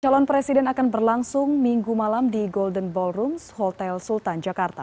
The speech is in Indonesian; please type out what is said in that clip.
calon presiden akan berlangsung minggu malam di golden ballrooms hotel sultan jakarta